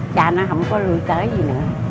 cha nó không có rui tới gì nữa